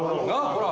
ほら。